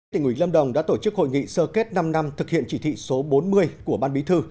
tỉnh ủy lâm đồng đã tổ chức hội nghị sơ kết năm năm thực hiện chỉ thị số bốn mươi của ban bí thư